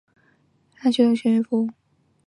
林仙东是一名韩国男子棒球运动员。